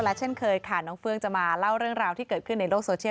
และเช่นเคยค่ะน้องเฟื้องจะมาเล่าเรื่องราวที่เกิดขึ้นในโลกโซเชียล